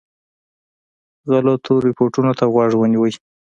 غلطو رپوټونو ته غوږ ونیوی.